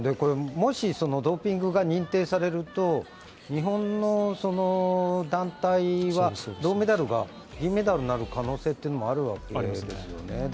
もしドーピングが認定されると、日本の団体は銅メダルが銀メダルになる可能性もあるわけですよね。